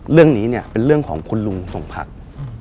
เรื่องนี้เนี่ยเป็นเรื่องของคุณลุงสมภักดิ์